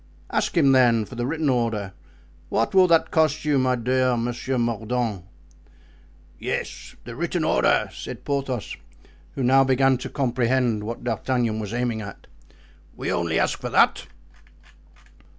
Ask him then, for the written order. What will that cost you my dear Monsieur Mordaunt?" "Yes, the written order," said Porthos, who now began to comprehend what D'Artagnan was aiming at, "we ask only for that."